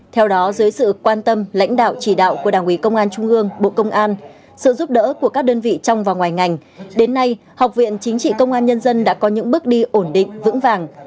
theo đó dưới sự quan tâm lãnh đạo chỉ đạo của đảng ủy công an trung ương bộ công an sự giúp đỡ của các đơn vị trong và ngoài ngành đến nay học viện chính trị công an nhân dân đã có những bước đi ổn định vững vàng